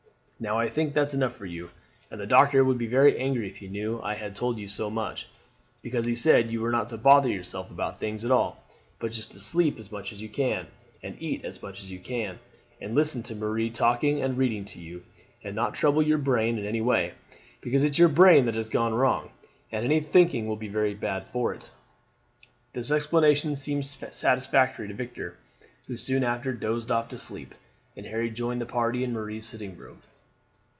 Now, I think that's enough for you, and the doctor would be very angry if he knew I had told you so much; because he said you were not to bother yourself about things at all, but just to sleep as much as you can, and eat as much as you can, and listen to Marie talking and reading to you, and not trouble your brain in any way, because it's your brain that has gone wrong, and any thinking will be very bad for it." This explanation seemed satisfactory to Victor, who soon after dozed off to sleep, and Harry joined the party in Marie's sitting room.